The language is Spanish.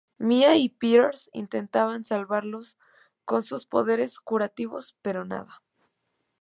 Mia y Piers intentan salvarlos con sus poderes curativos... pero nada.